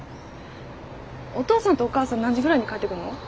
お父さんとお母さん何時ぐらいに帰ってくるの？